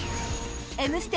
「Ｍステ」